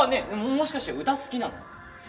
もしかして歌好きなの？